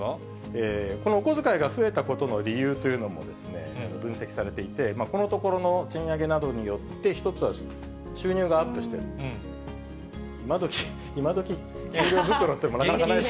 このお小遣いが増えたことの理由というのも、分析されていて、このところの賃上げなどによって、１つは収入がアップしてる、今どき、給与袋っていうのもなかなかないです。